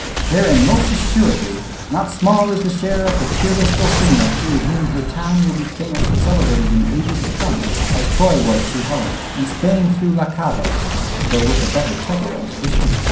Therein, most assuredly, not small is the share of the peerless Dulcinea, through whom her town will be famous and celebrated in ages to come, as Troy was through Helen, and Spain through La Cava, though with a better title and tradition.